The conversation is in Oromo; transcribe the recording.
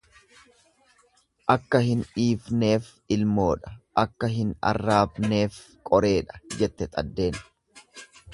Akka hin dhiifneef ilmoodha akka hin arraabneef qoreedha jette xaddeen.